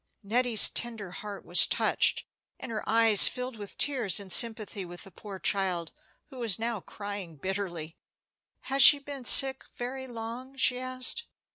Nettie's tender heart was touched, and her eyes filled with tears in sympathy with the poor child, who was now crying bitterly. "Has she been sick very long?" she asked.